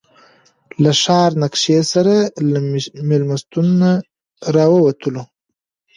له ښار نقشې سره له مېلمستونه راووتلو.